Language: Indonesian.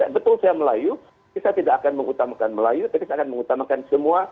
betul saya melayu saya tidak akan mengutamakan melayu tapi saya akan mengutamakan semua